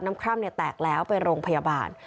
น้ำคล่ำเนี่ยแตกแล้วไปโรงพยาบาล